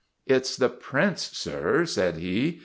" It 's the Prince, sir," said he.